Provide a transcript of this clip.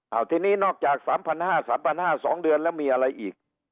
เอาทีนี้นอกจาก๓๕๐๐๓๕๐๐๒เดือนแล้วมีอะไรอีก